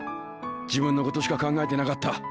自分のことしか考えてなかった。